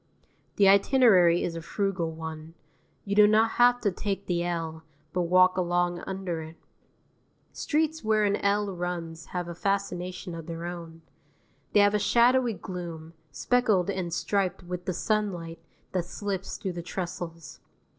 The itinerary is a frugal one: you do not have to take the L, but walk along under it. Streets where an L runs have a fascination of their own. They have a shadowy gloom, speckled and striped with the sunlight that slips through the trestles.